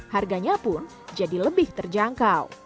harganya pun jadi lebih terjangkau